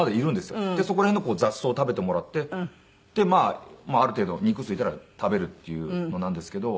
そこら辺の雑草を食べてもらってある程度肉ついたら食べるっていうのなんですけど。